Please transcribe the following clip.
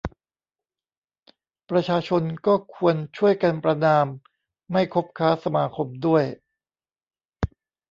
ประชาชนก็ควรช่วยกันประณาม ไม่คบค้าสมาคมด้วย